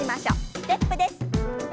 ステップです。